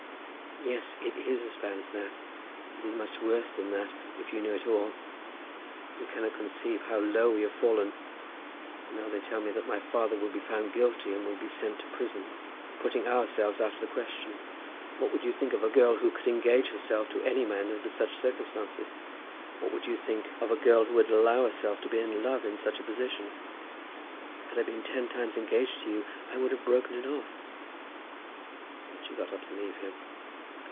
"Yes, it is as bad as that. It is much worse than that, if you knew it all. You cannot conceive how low we have fallen. And now they tell me that my father will be found guilty, and will be sent to prison. Putting ourselves out of the question, what would you think of a girl who could engage herself to any man under such circumstances? What would you think of a girl who would allow herself to be in love in such a position? Had I been ten times engaged to you I would have broken it off." Then she got up to leave him.